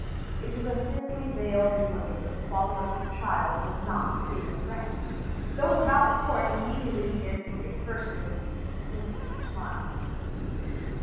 It was a thinly veiled innuendo that the father of the child was not the King of France. Those about the court immediately began to look at Fersen with significant smiles.